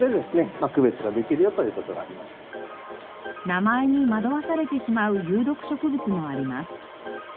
名前に惑わされてしまう有毒植物もあります。